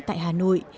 tại hà nội